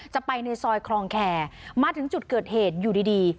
จะไปในซอยคลองแคร์มาถึงจุดเกิดเหตุอยู่ดี